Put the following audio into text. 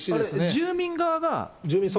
住民側が。